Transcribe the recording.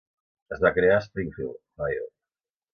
Es va crear a Springfield, Ohio.